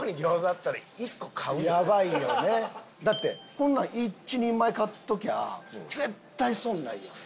だってこんなん１人前買っときゃ絶対損ないやん。